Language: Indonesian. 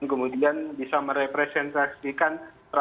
kemudian bisa merepresentasikan